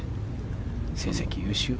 成績優秀。